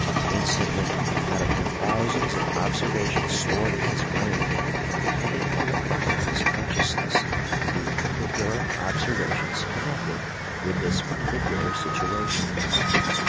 Instantly, out of the thousands of observations stored in his brain, came to the front of his consciousness the particular observations connected with this particular situation.